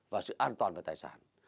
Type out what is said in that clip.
và sự an toàn về tài sản